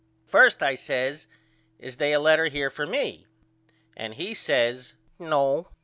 First I says Is they a letter here for me? And he says No.